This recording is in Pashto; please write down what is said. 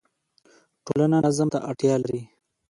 ټولنه نظم ته اړتیا لري.